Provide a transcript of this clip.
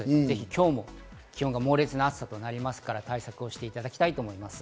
今日も気温が猛烈な暑さとなりますから、対策をしていただきたいと思います。